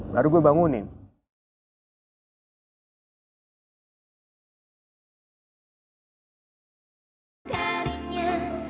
baru gue bangunin